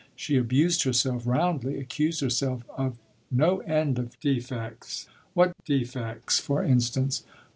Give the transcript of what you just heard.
She abused herself roundly accused herself of no end of defects." "What defects, for instance?"